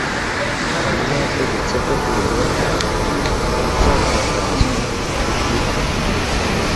Hanyuma yategetse ko urugamba ruzatangazwa rukuta